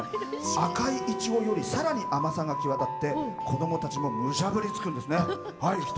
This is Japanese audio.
赤いいちごよりさらに甘さが際立って子供たちもむしゃぶりつくんですね。